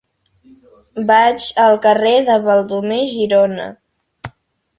Vaig al carrer de Baldomer Girona.